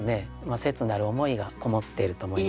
切なる思いがこもっていると思いますね。